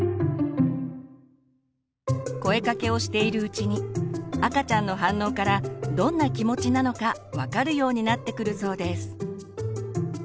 声かけをしているうちに赤ちゃんの反応からどんな気持ちなのか分かるようになってくるそうです。